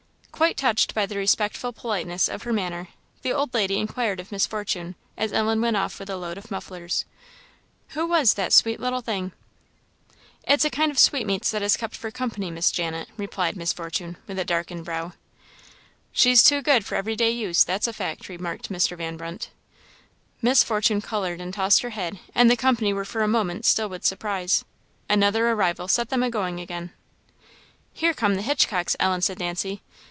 Quite touched by the respectful politeness of her manner, the old lady inquired of Miss Fortune, as Ellen went off with a load of mufflers, "who was that sweet little thing?" "It's a kind of sweetmeats that is kept for company, Miss Janet," replied Miss Fortune, with a darkened brow. "She's too good for everyday use, that's a fact," remarked Mr. Van Brunt. Miss Fortune coloured and tossed her head, and the company were for a moment still with surprise. Another arrival set them agoing again. "Here come the Hitchcocks, Ellen," said Nancy.